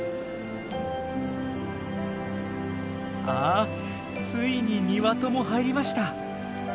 あついに２羽とも入りました！